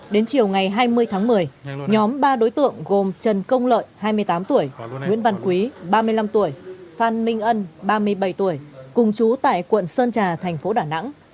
đến chiều ngày hai mươi tháng một mươi nhóm ba đối tượng gồm trần công lợi hai mươi tám tuổi nguyễn văn quý ba mươi năm tuổi phan minh ân ba mươi bảy tuổi cùng chú tại quận sơn trà thành phố đà nẵng